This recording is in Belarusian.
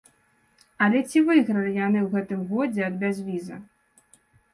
Але ці выйгралі яны ў гэтым годзе ад безвіза?